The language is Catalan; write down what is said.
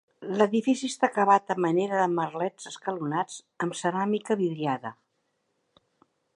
L'edifici està acabat a manera de merlets escalonats amb ceràmica vidriada.